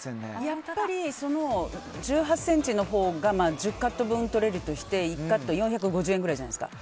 やっぱり１８ｃｍのほうが１０カット分とれるとして１カット４５０円くらいじゃないですか。